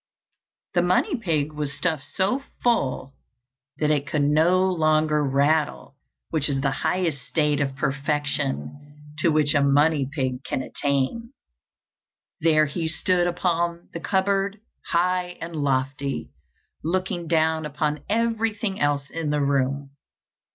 The money pig was stuffed so full that it could no longer rattle, which is the highest state of perfection to which a money pig can attain. There he stood upon the cupboard, high and lofty, looking down upon everything else in the room.